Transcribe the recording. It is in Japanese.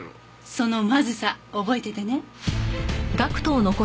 そのまずさ覚えててね。